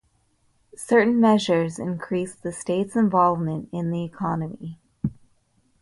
Certain measures increased the state's involvement in the economy.